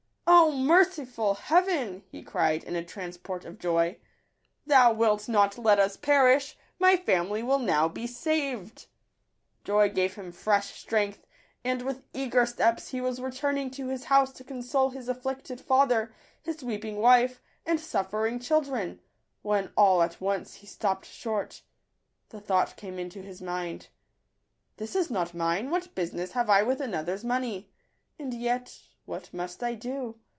" O merciful Heaven !" he cried, in a transport of joy, " Thou wilt not let us perish : my family will now be saved !" Joy gave him fresh strength, and with eager steps he was returning to his house to console his afflicted father, his weeping wife, and suf fering children, when all at once he stopped short. The thought came into his mind, —" This is not mine : what business have I with another's money? And yet — what must I do?